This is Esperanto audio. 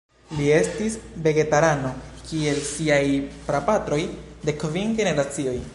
Li estis vegetarano kiel siaj prapatroj de kvin generacioj.